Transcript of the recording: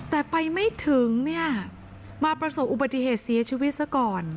แต่ไปไม่ถึงเนี่ยมาประสบอุบัติเหตุเสียชีวิตซะก่อน